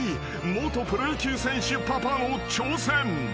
元プロ野球選手パパの挑戦］